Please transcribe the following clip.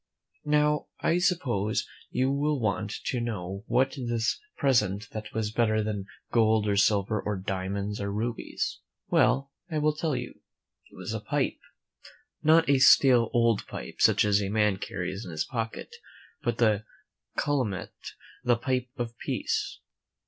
Now, I suppose you will want to know what was this present that was better than gold, or silver, or diamonds, or rubies. Well, I will tell you; it was a pipe. Not a stale old pipe, such as a man carries in his pocket, but the calumet, the pipe of peace.